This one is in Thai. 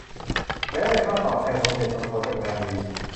แม้ได้ค่าตอบแทนสมเหตุสมผลกับงานดี